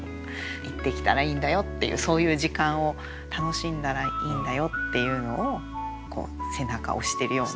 行ってきたらいいんだよっていうそういう時間を楽しんだらいいんだよっていうのを背中を押してるような。